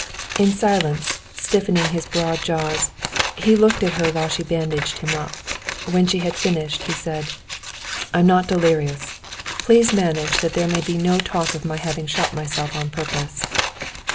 In silence, stiffening his broad jaws, he looked at her while she bandaged him up. When she had finished he said: "I'm not delirious. Please manage that there may be no talk of my having shot myself on purpose."